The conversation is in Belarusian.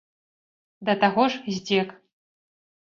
Да таго ж здзек!